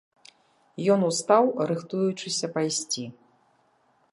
Ён устаў, рыхтуючыся пайсці.